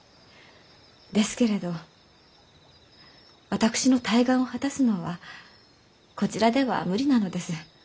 ですけれど私の大願を果たすのはこちらでは無理なのです。